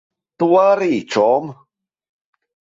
Tu arī, čom.